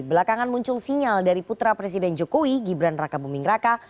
belakangan muncul sinyal dari putra presiden jokowi gibran raka buming raka